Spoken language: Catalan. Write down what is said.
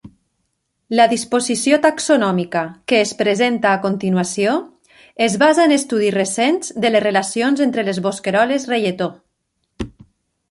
La disposició taxonòmica que es presenta a continuació es basa en estudis recents de les relacions entre les bosqueroles reietó.